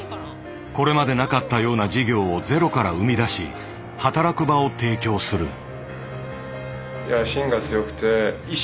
これまでなかったような事業をゼロから生み出し「働く場」を提供する。